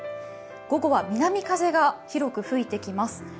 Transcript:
午後は南風が広く吹いてきます。